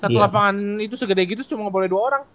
satu lapangan itu segede gitu cuma boleh dua orang